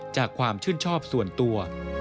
จากความชื่นชอบส่วนตัว